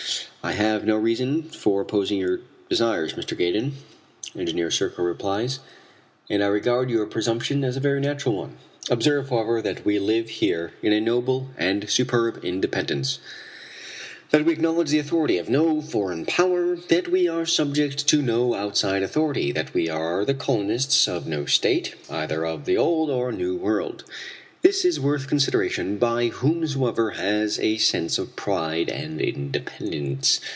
"I have no reason for opposing your desires, Mr. Gaydon," Engineer Serko replies, "and I regard your presumption as a very natural one. Observe, however, that we live here in a noble and superb independence, that we acknowledge the authority of no foreign power, that we are subject to no outside authority, that we are the colonists of no state, either of the old or new world. This is worth consideration by whomsoever has a sense of pride and independence.